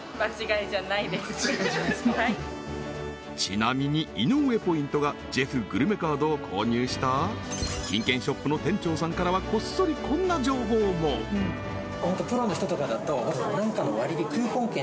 ちなみに井上ポイントがジェフグルメカードを購入した金券ショップの店長さんからはこっそりこんな情報も併用できる？